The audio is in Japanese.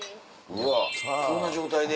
うわこんな状態で？